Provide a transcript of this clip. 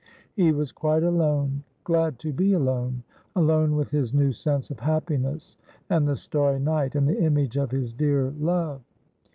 He was quite alone — glad to be alone — alone with his new sense of happiness, and the starry night, and the image of his dear love.